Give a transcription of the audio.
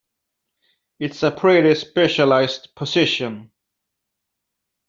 It's a pretty specialized position.